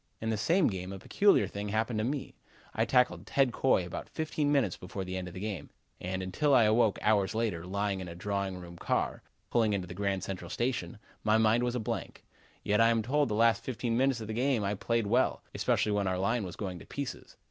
In the same game, a peculiar thing happened to me. I tackled Ted Coy about fifteen minutes before the end of the game, and until I awoke hours later, lying in a drawing room car, pulling into the Grand Central Station, my mind was a blank. Yet I am told the last fifteen minutes of the game I played well, especially when our line was going to pieces.